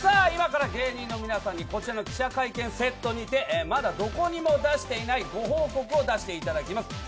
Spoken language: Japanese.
今から芸人の皆さんに記者会見セットにてまだどこにも出していないご報告を出していただきます。